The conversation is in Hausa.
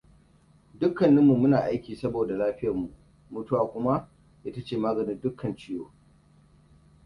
Dukkaninmu muna aiki sabida lafiyar mu; mutuwa kuma ita ce maganin dukkanin ciwo.